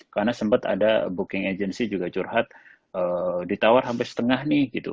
karena sempet ada booking agency juga curhat ditawar sampai setengah nih gitu